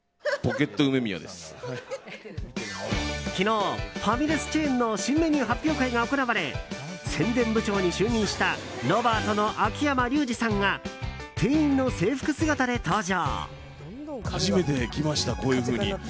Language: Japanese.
昨日、ファミレスチェーンの新メニュー発表会が行われ宣伝部長に就任したロバートの秋山竜次さんが店員の制服姿で登場。